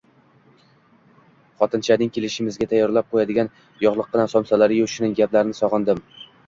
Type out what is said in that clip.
Xotinchaning kelishimizga tayyorlab qo'yadigan yog'likkina somsalari-yu, shirin gaplarini sog'indim